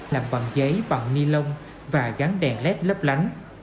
làm bằng giấy bằng ni lông và gắn đèn led lấp lấp lánh